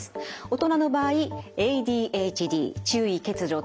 大人の場合ＡＤＨＤ注意欠如